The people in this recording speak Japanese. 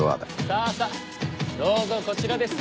さあさあどうぞこちらです。